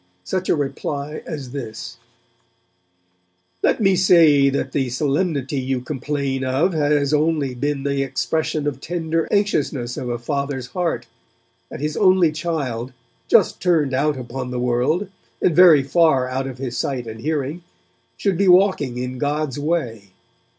such a reply as this: 'Let me say that the 'solemnity' you complain of has only been the expression of tender anxiousness of a father's heart, that his only child, just turned out upon the world, and very far out of his sight and hearing, should be walking in God's way.